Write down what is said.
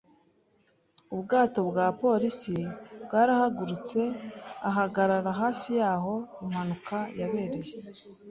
Ubwato bwa polisi bwarahagurutse ahagarara hafi y’aho impanuka yabereye.